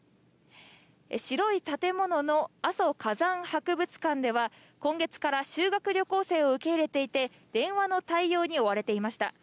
白い建物の阿蘇火山博物館では、今月から修学旅行生を受け入れていて、電話の対応に追われていました。